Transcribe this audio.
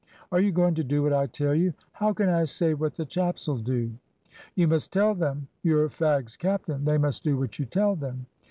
"Are you going to do what I tell you?" "How can I say what the chaps'll do?" "You must tell them; you're fags' captain. They must do what you tell them."